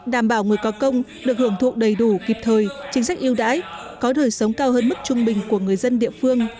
đảm bảo người có công được hưởng thụ đầy đủ kịp thời chính sách yêu đãi có đời sống cao hơn mức trung bình của người dân địa phương